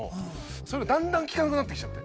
それがだんだん聞かなくなってきちゃって。